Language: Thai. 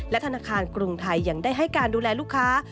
ธนาคารกรุงไทยยังได้ให้การดูแลลูกค้า